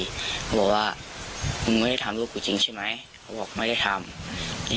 เขาบอกว่ามึงไม่ได้ทำลูกกูจริงใช่ไหมเขาบอกไม่ได้ทำ